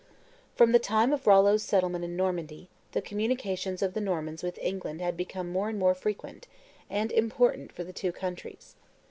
From the time of Rollo's settlement in Normandy, the communications of the Normans with England had become more and more frequent, and important for the two countries.